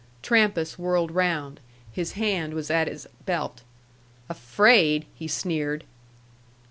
Trampas whirled round. His hand was at his belt. "Afraid!" he sneered.